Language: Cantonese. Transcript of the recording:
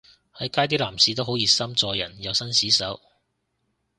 喺街啲男士都好熱心助人又紳士手